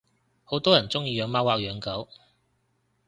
好多人鐘意養貓或養狗